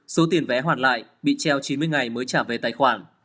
số tiền vé hoàn lại bị treo chín mươi ngày mới trả về tài khoản